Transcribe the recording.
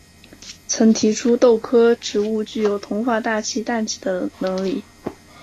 曾提出豆科植物具有同化大气氮气的能力。